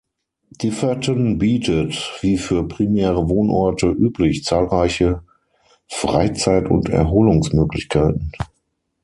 Differten bietet, wie für primäre Wohnorte üblich, zahlreiche Freizeit- und Erholungsmöglichkeiten.